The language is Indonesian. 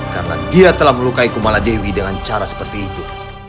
karena dia telah melukai kumala dewi dengan cara seperti itu